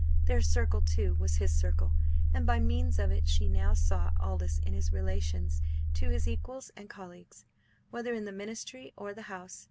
Their circle, too, was his circle; and by means of it she now saw Aldous in his relations to his equals and colleagues, whether in the Ministry or the House.